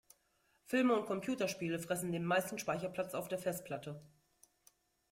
Filme und Computerspiele fressen den meisten Speicherplatz auf der Festplatte.